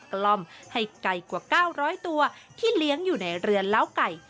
กล้อมให้ไก่กว่า๙๐๐ตัวที่เลี้ยงอยู่ในเรือนเล้าไก่